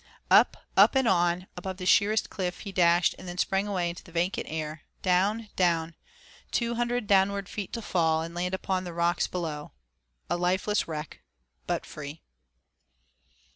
Up, up and on, above the sheerest cliff he dashed then sprang away into the vacant air, down down two hundred downward feet to fall, and land upon the rocks below, a lifeless wreck but free.